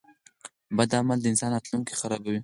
• بد عمل د انسان راتلونکی خرابوي.